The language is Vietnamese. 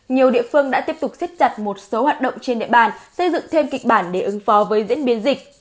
nhiều địa phương đã tiếp tục xích chặt một số hoạt động trên địa bàn xây dựng thêm kịch bản để ứng phó với diễn biến dịch